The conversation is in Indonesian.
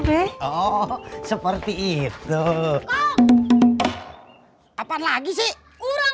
be oh seperti itu apa lagi sih udah